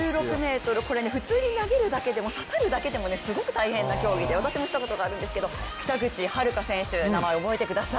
これ普通に投げるだけでも刺さるだけでもすごく大変な競技で私もしたことがあるんですけど、北口榛花選手、名前を覚えてください。